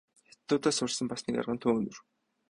Хятадуудаас сурсан бас нэг арга нь төөнүүр.